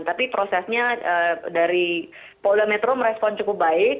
tapi prosesnya dari polda metro merespon cukup baik